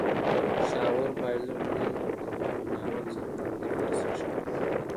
شاور بايلر نل او کموډ مې اول ځل په همدې مدرسه کښې وليدل.